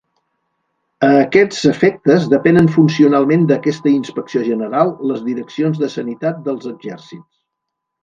A aquests efectes depenen funcionalment d'aquesta Inspecció General les direccions de sanitat dels exèrcits.